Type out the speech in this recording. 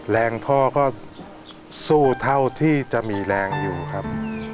แรงพ่อก็สู้เท่าที่จะมีแรงอยู่ครับ